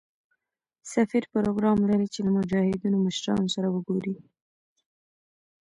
سفیر پروګرام لري چې له مجاهدینو مشرانو سره وګوري.